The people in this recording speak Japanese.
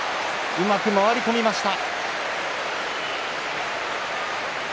うまく回り込みました。